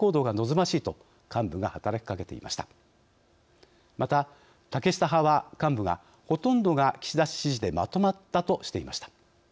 また、竹下派は幹部がほとんどが岸田氏支持でまとまったとしていました。